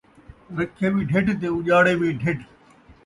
رکھے وی ڈھڈھ تے اُڄاڑے وی ڈھڈھ